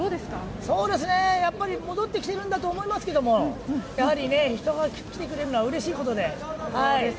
戻ってきてるんだと思いますがやはり人が来てくれるのはうれしいことで。